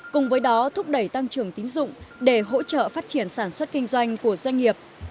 cùng với đó thúc đẩy tăng trưởng tín dụng để hỗ trợ phát triển sản xuất kinh doanh của doanh nghiệp